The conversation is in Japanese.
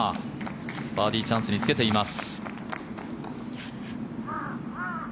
バーディーチャンスにつけています。